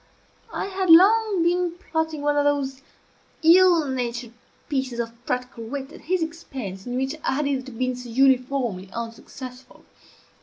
I had long been plotting one of those ill natured pieces of practical wit at his expense in which I had hitherto been so uniformly unsuccessful.